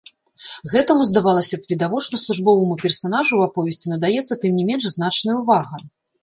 Гэтаму, здавалася б, відочна службоваму персанажу ў аповесці надаецца тым не менш значная ўвага.